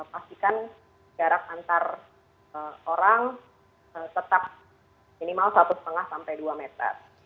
pastikan jarak antar orang tetap minimal satu lima sampai dua meter